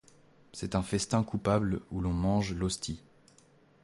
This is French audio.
C’est un festin coupable où l’on mange l’hostie.